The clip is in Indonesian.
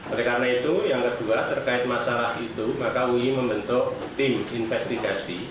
oleh karena itu yang kedua terkait masalah itu maka ui membentuk tim investigasi